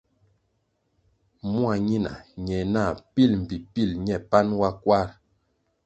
Mua ñina ñe nah pil mbpi pil ñe panʼ wa kwarʼ.